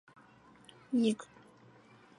随之成立中央军委政治工作部干部局。